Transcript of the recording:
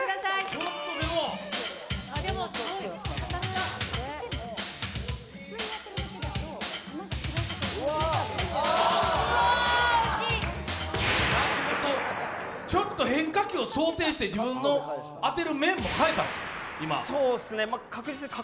ちょっとでもうわ惜しいちょっと変化球を想定して自分の当てる面も変えたんですか